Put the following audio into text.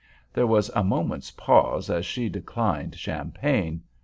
There was a moment's pause, as she declined champagne.